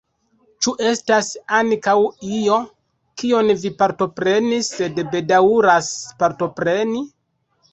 Ĉu estas ankaŭ io, kion vi partoprenis, sed bedaŭras partopreni?